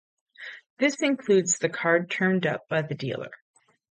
This includes the card turned up by the dealer.